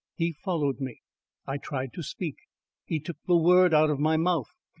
He followed me. I tried to speak. He took the word out of my mouth.